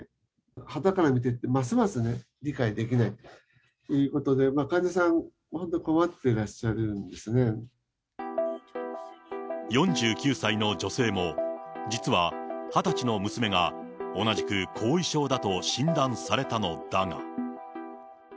端から見てて、ますます理解できないということで、患者さん、本当困ってらっし４９歳の女性も、実は２０歳の娘が同じく後遺症だと診断されたのだが。